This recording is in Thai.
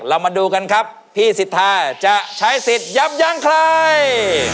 เรามาดูกันครับพี่สิทธาจะใช้สิทธิ์ยับยั้งใคร